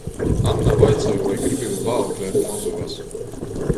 Anna vaicoj, voi gribim paauklēt mozuos.